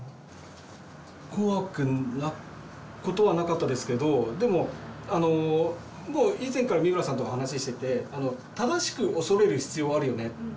怖くなことはなかったですけどでももう以前から三村さんと話してて正しく恐れる必要はあるよねって。